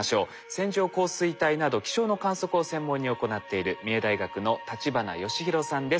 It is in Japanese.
線状降水帯など気象の観測を専門に行っている三重大学の立花義裕さんです。